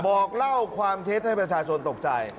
บอกเล่าความเท็จให้ประชาชนตกใจ